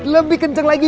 lebih kenceng lagi